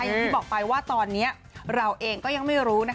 อย่างที่บอกไปว่าตอนนี้เราเองก็ยังไม่รู้นะคะ